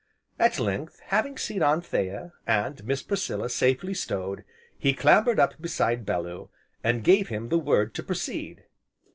At length, having seen Anthea, and Miss Priscilla safely stowed, he clambered up beside Bellew, and gave him the word to proceed.